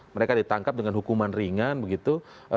mereka ditangkap dengan hukuman ringan begitu